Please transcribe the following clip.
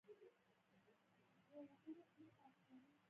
په ګلونو کښېنه، بوی یې خوندور دی.